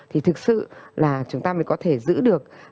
thì thực sự là chúng ta mới có thể giữ được